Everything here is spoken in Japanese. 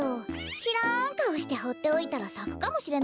しらんかおしてほっておいたらさくかもしれないわ。